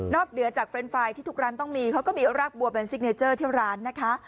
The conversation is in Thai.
เหนือจากเรนดไฟล์ที่ทุกร้านต้องมีเขาก็มีรากบัวเป็นซิกเนเจอร์ที่ร้านนะคะ